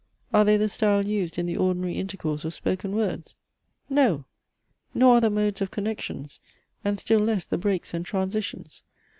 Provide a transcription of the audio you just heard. Are they the style used in the ordinary intercourse of spoken words? No! nor are the modes of connections; and still less the breaks and transitions.